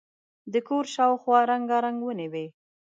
د کور شاوخوا رنګارنګ ونې وې.